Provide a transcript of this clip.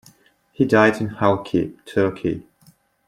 He died in Halki, Turkey.